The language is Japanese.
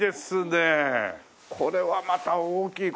これはまた大きい。